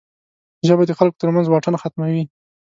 ژبه د خلکو ترمنځ واټن ختموي